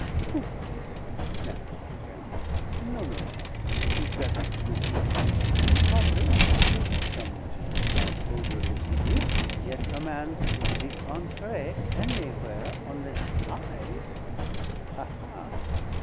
Pouf!" snapped the little gambler. "No, no, no! It is that M. le Duc, impoverish', somewhat in a bad odor as he is, yet command the entree any where onless I Ha, ha!